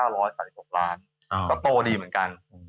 ๙๓๖ล้านก็โตดีเหมือนกัน